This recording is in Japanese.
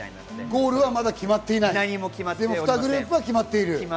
ゴールは決まってないけど、２グループが決まっている。